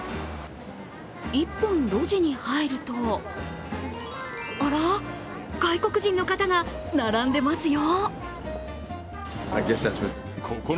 １本路地に入ると、あら、外国人の方が並んでいますよ。